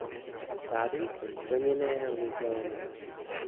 Fasády jsou členěné lizénami.